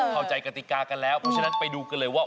เข้าใจกติกากันแล้วเพราะฉะนั้นไปดูกันเลยว่า